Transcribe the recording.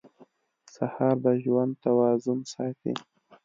سهار د ژوند توازن ساتي.